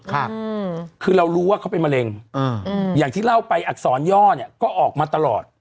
ครับคือเรารู้ว่าเขาเป็นมะเร็งอืมอย่างที่เล่าไปอักษรย่อเนี้ยก็ออกมาตลอด